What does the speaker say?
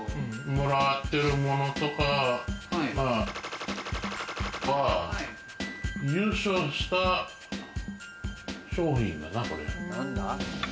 もらってるものとか、○○は優勝した商品だな、これ。